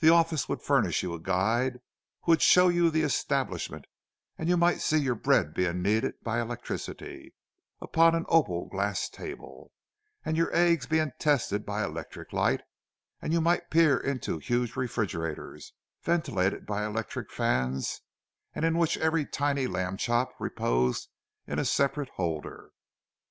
The office would furnish you a guide who would show you the establishment; and you might see your bread being kneaded by electricity, upon an opal glass table, and your eggs being tested by electric light; you might peer into huge refrigerators, ventilated by electric fans, and in which each tiny lamb chop reposed in a separate holder.